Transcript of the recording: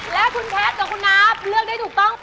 และคุณแพทย์กับคุณนับเลือกได้ถูกต้อง